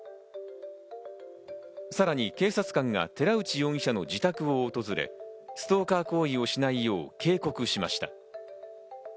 さらに警察官が寺内容疑者の自宅を訪れ、ストーカー行為をしないよう警告しました。